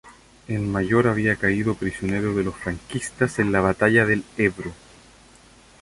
El mayor había caído prisionero de los franquistas en la Batalla del Ebro.